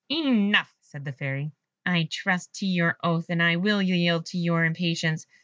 "Enough," said the Fairy; "I trust to your oath, and I will yield to your impatience.